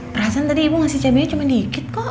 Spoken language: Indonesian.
perasaan tadi ibu ngasih cabainya cuma dikit kok